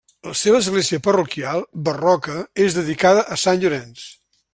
La seva església parroquial, barroca, és dedicada a Sant Llorenç.